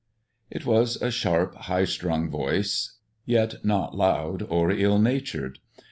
It was a sharp, high strung voice, yet not loud nor ill natured.